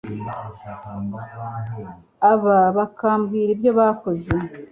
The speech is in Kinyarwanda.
Aba bakamubwira ibyo bakoze